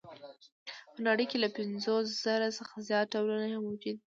په نړۍ کې له پنځوس زره څخه زیات ډولونه یې موجود دي.